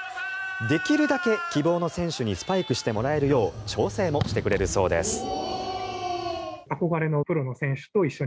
できるだけ希望の選手にスパイクしてもらえるよう調整もしてくれるそうです。